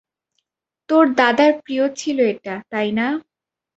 তোর দাদার প্রিয় ছিল এটা তাইনা?